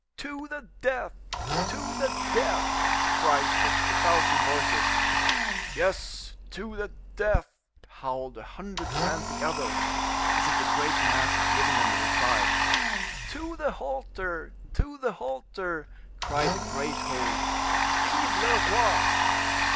"To the death! to the death!" cried fifty thousand voices. "Yes; to the death!" howled a hundred frantic others, as if the great mass had given them the reply. "To the halter! to the halter!" cried the great whole; "Vive le roi!"